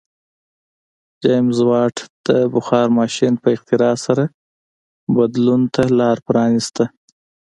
جېمز واټ د بخار ماشین په اختراع سره بدلون ته لار پرانیسته.